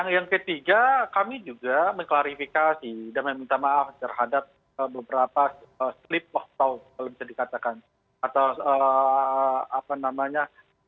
yang ketiga kami juga mengklarifikasi dan meminta maaf terhadap beberapa slip atau apa namanya